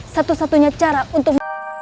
satu satunya cara untuk